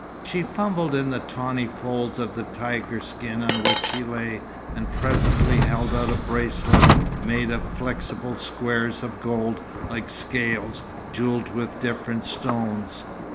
She fumbled in the tawny folds of the tiger skin on which she lay, and presently held out a bracelet, made of flexible squares of gold, like scales, jewelled with different stones.